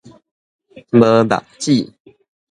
無目子